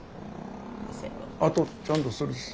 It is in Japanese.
あとちゃんとするし。